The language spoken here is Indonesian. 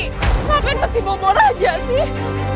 kenapa yang mesti bobor aja sih